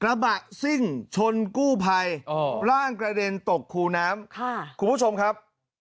ระบะซิ่งชนกู้ภัยร่างกระเด็นตกคูน้ำค่ะคุณผู้ชมครับ